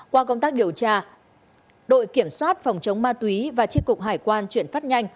qua công tác điều tra đội kiểm soát phòng chống ma túy và tri cục hải quan chuyển phát nhanh